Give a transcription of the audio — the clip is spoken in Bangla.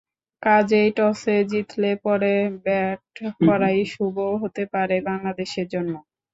কাজেই টসে জিতলে পরে ব্যাট করাই শুভ হতে পারে বাংলাদেশের জন্য।